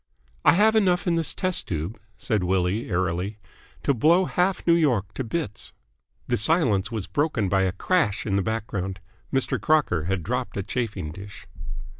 "I have enough in this test tube," said Willie airily, "to blow half New York to bits." The silence was broken by a crash in the background. Mr. Crocker had dropped a chafing dish.